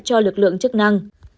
cho lực lượng chức năng